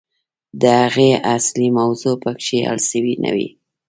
د هغې اصلي موضوع پکښې حل سوې نه وي.